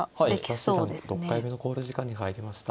増田七段６回目の考慮時間に入りました。